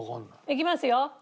いきますよ。